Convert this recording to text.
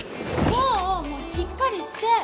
功もうしっかりして